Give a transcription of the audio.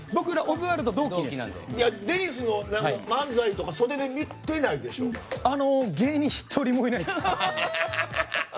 デニスの漫才とか芸人１人もいないです。